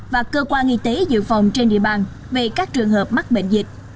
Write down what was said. và cơ quan y tế dự phòng trên địa bàn về các trường hợp mắc bệnh dịch